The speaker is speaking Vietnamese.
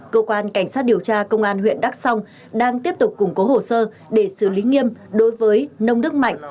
cơ quan cảnh sát điều tra công an huyện đắk song đang tiếp tục củng cố hồ sơ để xử lý nghiêm đối với nông đức mạnh